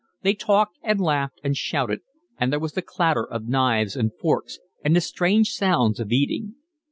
They talked and laughed and shouted, and there was the clatter of knives and forks, and strange sounds of eating.